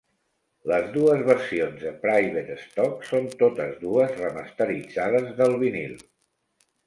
Les dues versions de Private Stock són totes dues remasteritzades del vinil.